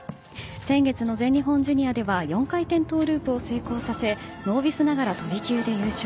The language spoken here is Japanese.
先月の全日本ジュニアでは４回転トウループを成功させノービスながら飛び級で優勝。